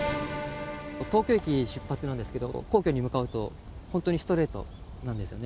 東京駅出発なんですけど、皇居に向かうと、本当にストレートなんですね。